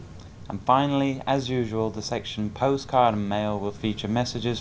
và cuối cùng như thường lệ là tử mục nhắn gửi quê nhà với những lời nhắn gửi quê nhà gửi tới người thân và gia đình